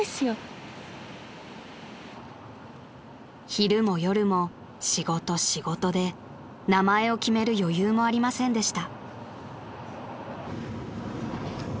［昼も夜も仕事仕事で名前を決める余裕もありませんでした］